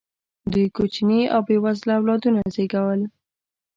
دوی کوچني او بې وزله اولادونه زېږول.